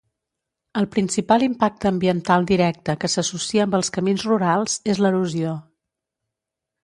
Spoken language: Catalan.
El principal impacte ambiental directe que s'associa amb els camins rurals, és l'erosió.